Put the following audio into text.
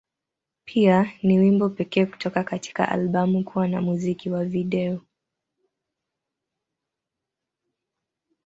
Pia, ni wimbo pekee kutoka katika albamu kuwa na muziki wa video.